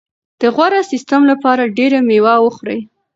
د غوره سیستم لپاره ډېره مېوه وخورئ.